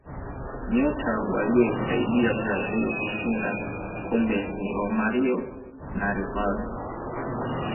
nyota waliyoisaidia brazil kushinda kombe ni romario na rivaldo